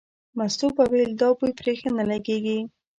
مستو به ویل دا بوی پرې ښه نه لګېږي.